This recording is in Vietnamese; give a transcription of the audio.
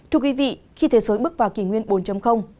thưa quý vị khi thế giới bước vào kỳ nguyên bốn